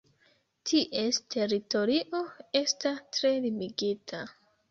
Ties teritorio esta tre limigita.